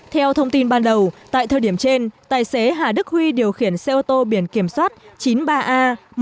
theo thông tin ban đầu tại thời điểm trên tài xế hà đức huy điều khiển xe ô tô biển kiểm soát chín mươi ba a một mươi năm nghìn ba trăm ba mươi một